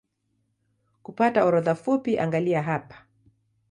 Kupata orodha fupi angalia hapa